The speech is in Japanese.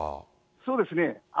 そうですね。